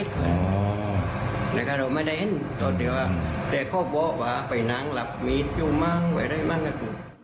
แต่ก็บอกว่าไปน้ำหลับมีดอยู่มั้งไว้ได้มั้งกัน